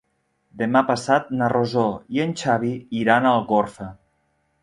Demà passat na Rosó i en Xavi iran a Algorfa.